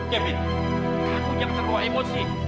kevin kamu yang terluka emosi